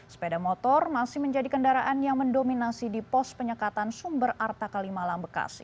sepeda motor masih menjadi kendaraan yang mendominasi di pos penyekatan sumber arta kalimalang bekasi